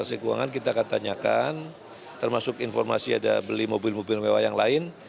transaksi keuangan kita akan tanyakan termasuk informasi ada beli mobil mobil mewah yang lain